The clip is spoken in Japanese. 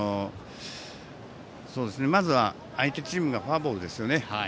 まずは、相手チームがフォアボールですよね。